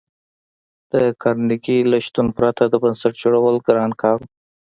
د کارنګي له شتون پرته د بنسټ جوړول ګران کار و